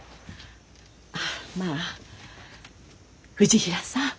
あまあ藤平さん